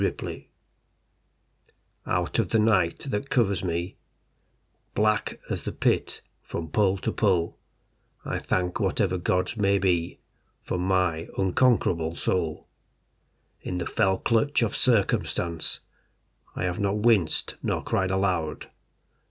INVICTUS Out of the night that covers me, Black as the Pit from pole to pole, I thank whatever gods may be For my unconquerable soul. In the fell clutch of circumstance I have not winced nor cried aloud.